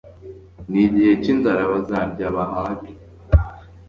n'igihe cy'inzara bazarya bahage